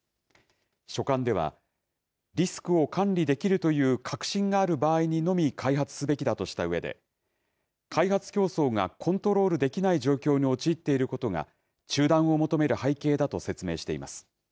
書簡ではリスクを管理できるという確信がある場合にのみ開発すべきだとしたうえで開発競争がコントロールできない状況に陥っていることが中断を求める背景だと説明しています。